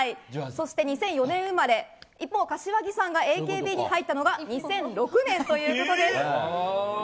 そして２００４年生まれ一方、柏木さんがＡＫＢに入ったのが２００６年ということです。